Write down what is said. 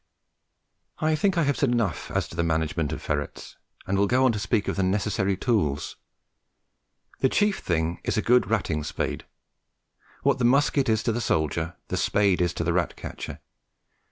I think I have said enough as to the management of ferrets, and will go on to speak of the necessary tools. The chief thing is a good ratting spade. What the musket is to the soldier, the spade is to the rat catcher.